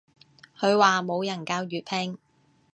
佢話冇人教粵拼